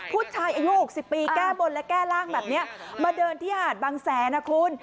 ผู้ชายอายุ๖๐ปีแก้บนและแก้ร่างแบบนี้มาเดินที่หาดบางแสนนะคุณ